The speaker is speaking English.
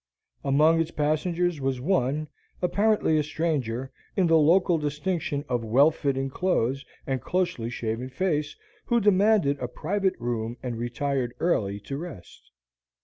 Among its passengers was one, apparently a stranger, in the local distinction of well fitting clothes and closely shaven face, who demanded a private room and retired early to rest.